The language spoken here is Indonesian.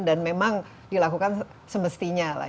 dan memang dilakukan semestinya lah